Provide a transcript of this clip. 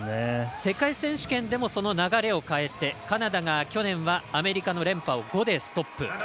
世界選手権でもその流れを変えてカナダが去年はアメリカの連覇を５でストップ。